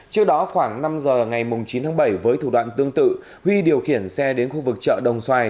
trước đó khoảng năm giờ ngày chín tháng bảy với thủ đoạn tương tự huy điều khiển xe đến khu vực chợ đồng xoài